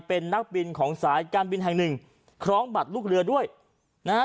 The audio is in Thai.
เป็นนักบินของสายการบินแห่งหนึ่งคล้องบัตรลูกเรือด้วยนะฮะ